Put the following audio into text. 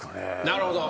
なるほど。